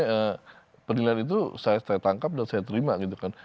karena penilaian itu saya tangkap dan saya terima gitu kan